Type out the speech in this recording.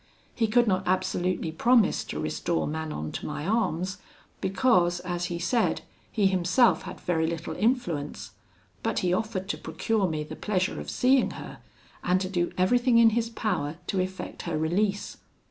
He could not absolutely promise to restore Manon to my arms, because, as he said, he himself had very little influence; but he offered to procure me the pleasure of seeing her, and to do everything in his power to effect her release.